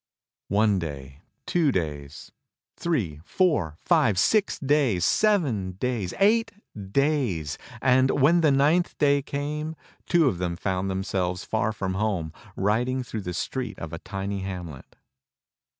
One day, two days, three, four, five and six days, seven days, eight days; and when the ninth day came two of them found themselves far from home, riding through the street of a tiny hamlet.